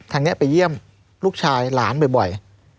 ทางนี้ไปเยี่ยมลูกชายหลานบ่อย